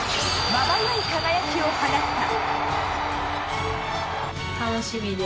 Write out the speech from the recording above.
まばゆい輝きを放った。